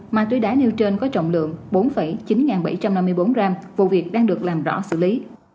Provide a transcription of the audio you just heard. ma túy đá nêu trên có trọng lượng bốn chín bảy trăm năm mươi bốn g vụ việc đang được làm rõ xử lý